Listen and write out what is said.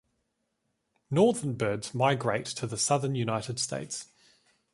Northern birds migrate to the southern United States.